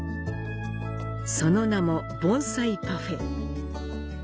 その名も「盆栽パフェ」。